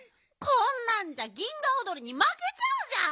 こんなんじゃ銀河おどりにまけちゃうじゃん！